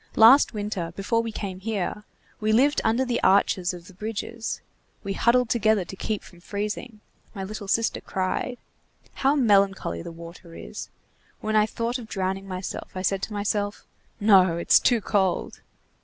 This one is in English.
Last winter, before we came here, we lived under the arches of the bridges. We huddled together to keep from freezing. My little sister cried. How melancholy the water is! When I thought of drowning myself, I said to myself: 'No, it's too cold.